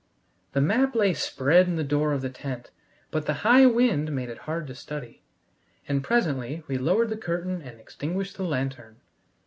The map lay spread in the door of the tent, but the high wind made it hard to study, and presently we lowered the curtain and extinguished the lantern.